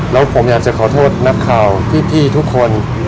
แล้วผมอยากจะขอโทษนักข่าวพี่ทุกคน